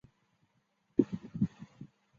目前被菲律宾有效控制。